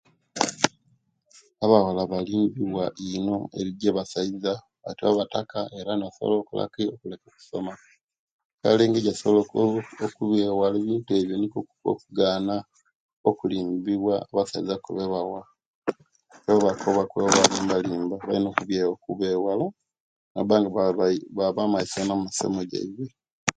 Abawala balimbiwa ino ejebasaiza ate babataka kale era ne basobola okolaki okuleka okusuma kale engeri egya'sobola okubyewala ebintu ebyo nikwo okugaana okulimbiwa abasaiza kubewala nibabakoba kubalimba balina okubye okubewala, nibabba nga baaba omumaiso nemisomo gyabwe.